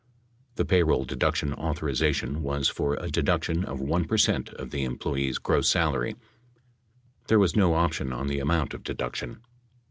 The payroll deduction authorization was for a deduction of 1 per cent of the employee's gross salary ; there was no option on the amount, of deduction.